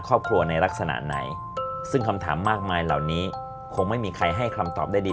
ครอบครัวในลักษณะไหนซึ่งคำถามมากมายเหล่านี้คงไม่มีใครให้คำตอบได้ดี